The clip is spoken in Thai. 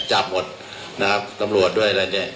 จับหมดนะครับตำรวจด้วยอะไรเนี่ย